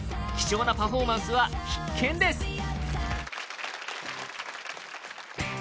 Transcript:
貴重なパフォーマンスは必見です！